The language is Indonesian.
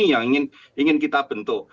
yang ingin kita bentuk